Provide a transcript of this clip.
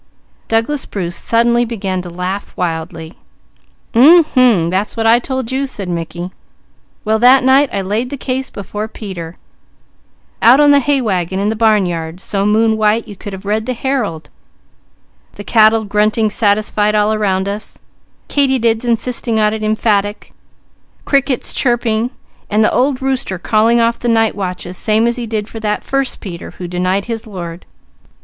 Douglas Bruce suddenly began to laugh wildly. "Umhum! That's what I told you," said Mickey. "Well, that night I laid the case before Peter, out on the hay wagon in the barnyard, so moon white you could have read the Herald, the cattle grunting satisfied all around us, katydids insisting on it emphatic, crickets chirping, and the old rooster calling off the night watches same as he did for that first Peter, who denied his Lord.